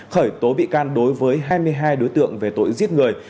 khởi tố bị can đối với hai mươi hai đối tượng về tội giết người